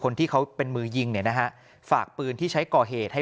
คนที่เขาเป็นมือยิงเนี่ยนะฮะฝากปืนที่ใช้ก่อเหตุให้